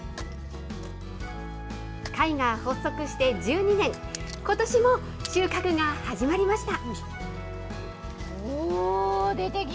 会が発足して１２年、ことしも収穫が始まりました。